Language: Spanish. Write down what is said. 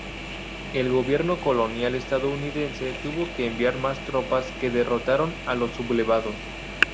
El gobierno colonial estadounidense tuvo que enviar mas tropas que derrotaron a los sublevados.